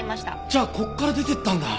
じゃあここから出ていったんだ。